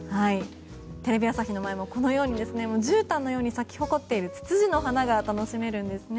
テレビ朝日の前もこのようにじゅうたんのように咲き誇っているツツジの花が楽しめるんです。